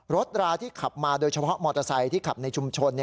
ราที่ขับมาโดยเฉพาะมอเตอร์ไซค์ที่ขับในชุมชน